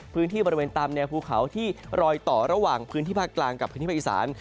พื้นที่บริเวณตามแนวภูเขาที่รอยต่อระหว่างพื้นที่ภาคกลางกับพื้นที่ภาคอีสาน